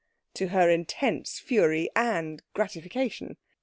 _' to her intense fury and gratification.